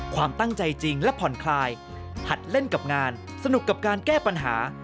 ความตั้งใจจริงและผ่อนคลายหัดเล่นกับงานสนุกกับการแก้ปัญหา